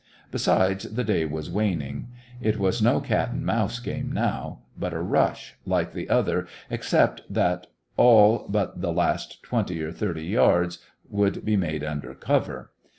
Besides, the day was waning. It was no cat and mouse game now; but a rush, like the other except that all but the last twenty or thirty yards would be made under cover.